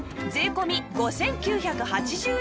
税込５９８０円